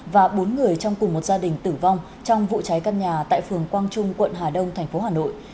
và bốn người trong cùng một gia đình tử vong trong vụ cháy căn nhà tại phường quang trung quận hà đông tp hà nội